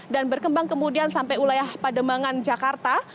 dan berkembang kemudian sampai wilayah pademangan jakarta